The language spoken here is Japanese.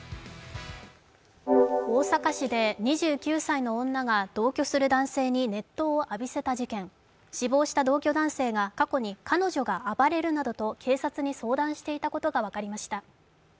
大阪市で２９歳の女が同居する男性に熱湯を浴びせた事件、死亡した同居男性が過去に彼女が暴れるなどと警察に相談していたことが分かりました。